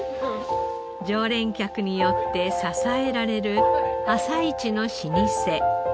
常連客によって支えられる朝市の老舗。